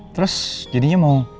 terus jadinya mau